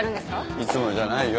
いつもじゃないよ。